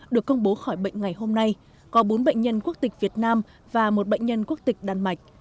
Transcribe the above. được công bố khỏi bệnh ngày hôm nay có bốn bệnh nhân quốc tịch việt nam và một bệnh nhân quốc tịch đan mạch